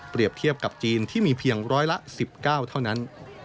เทียบกับจีนที่มีเพียงร้อยละ๑๙เท่านั้น